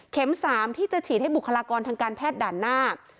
๓ที่จะฉีดให้บุคลากรทางการแพทย์ด่านหน้า